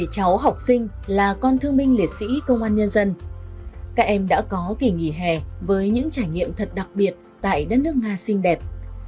một mươi bảy cháu học sinh là con thương binh liệt sĩ công an nhân dân các em đã có kỷ nghỉ hè với những trải nghiệm thật đặc biệt tại đất nước nga xinh đẹp